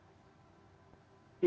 ya itu sudah pasti